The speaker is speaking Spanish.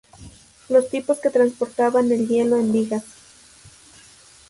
los tipos que transportaban el hielo en vigas